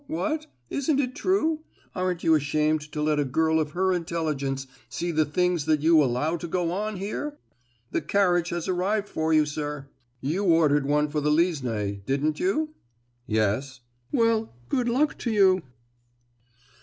What? Isn't it true! Arn't you ashamed to let a girl of her intelligence see the things that you allow to go on here? The carriage has arrived for you, sir,—you ordered one for the Liesnoy, didn't you?" "Yes." "Well, good luck to you!"